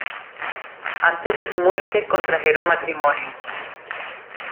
Antes de su muerte contrajeron matrimonio.